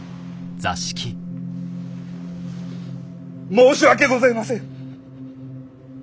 申し訳ございません！